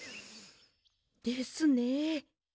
ですね。